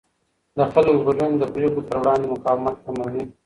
د خلکو ګډون د پرېکړو پر وړاندې مقاومت کموي